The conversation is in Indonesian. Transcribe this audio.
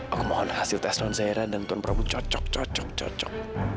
aku mohon hasil tes tuan zahira dan tuan prabu cocok cocok cocok